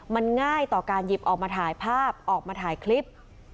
มันง่ายต่อการหยิบออกมาถ่ายภาพออกมาถ่ายคลิป